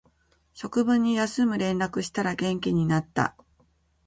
職場に休む連絡したら元気になった